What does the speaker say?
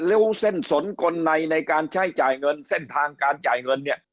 ริ้วเส้นสนกลในในการใช้จ่ายเงินเส้นทางการจ่ายเงินเนี่ย